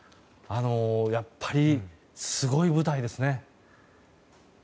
やっぱり、すごい舞台ですね。